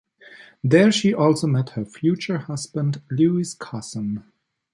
There she also met her future husband, Lewis Casson.